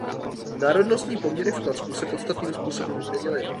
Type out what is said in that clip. Národnostní poměry v Kladsku se podstatným způsobem změnily.